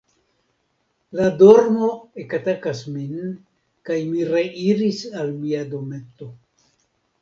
La dormo ekatakas min, kaj mi reiris al mia dometo.